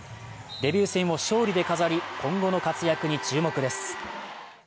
デビュー戦を勝利で飾り、今後の活躍に注目です。